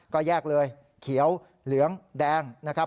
ก็แยกเลยเขียวเหลืองแดงนะครับ